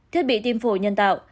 thiết bị tiêm phổ nhân tạo